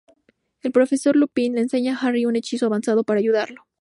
El profesor Lupin le enseña a Harry un hechizo avanzado para ayudarlo.